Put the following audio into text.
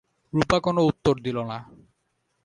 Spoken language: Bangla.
রূপা কোনো উত্তর দিল না।